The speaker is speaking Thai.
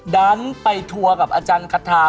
ดันไปทัวร์กับอาจารย์คาทา